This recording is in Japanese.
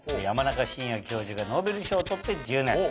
山中伸弥教授がノーベル賞を取って１０年。